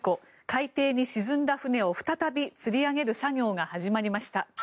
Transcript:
海底に沈んだ船を再びつり上げる作業が始まりました。